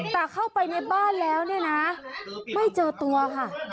แต่เข้าไปในบ้านแล้วเนี่ยนะไม่เจอตัวค่ะ